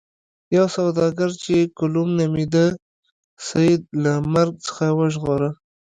یو سوداګر چې کلوم نومیده سید له مرګ څخه وژغوره.